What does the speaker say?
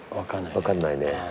分かんないね。